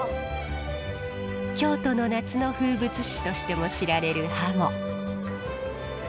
京都の夏の風物詩としても知られるはも。